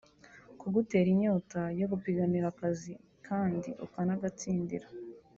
kugutera inyota yo gupiganira akazi kandi ukanagatsindira